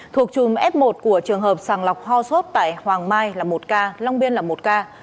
thuộc chùm f một của trường hợp sàng lọc ho sốt tại hoàng mai là một ca long biên là một ca